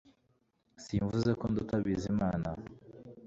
Simvuze ko nduta Bizimana